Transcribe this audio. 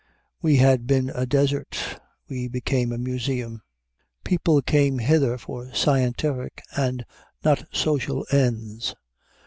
We had been a desert, we became a museum. People came hither for scientific and not social ends.